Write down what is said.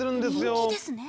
人気ですね。